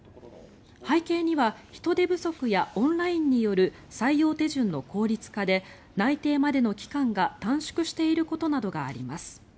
背景には人手不足やオンラインによる採用手順の効率化で内定までの期間が短縮していることなどがあります。